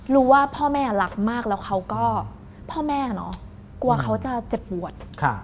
รู้ว่าพ่อแม่รักมากแล้วเขาก็พ่อแม่เนอะกลัวเขาจะเจ็บปวด